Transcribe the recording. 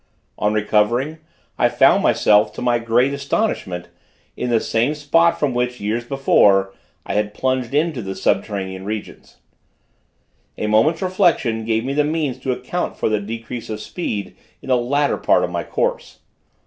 On recovering, I found myself, to my great astonishment, in the same spot from which, years before, I had plunged into the subterranean regions. A moment's reflection gave me the means to account for the decrease of speed in the latter part of my course.